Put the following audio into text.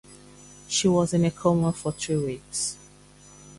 She was in a coma for three weeks.